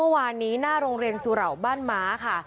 หน้าโรงเรียนสุเหล่าบ้านม้าค่ะ